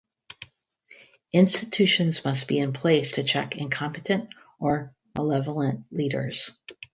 Institutions must be in place to check incompetent or malevolent leaders.